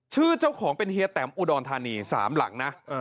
ชื่อเจ้าของเป็นเฮียแตมอุดรธานี๓หลังนะ